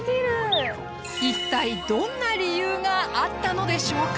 一体どんな理由があったのでしょうか。